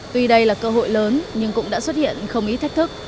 tuy đây là cơ hội lớn nhưng cũng đã xuất hiện không ít thách thức